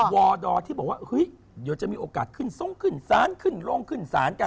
วอดอร์ที่บอกว่าเดี๋ยวจะมีโอกาสขึ้นสงขึ้นสานขึ้นลงขึ้นสานกัน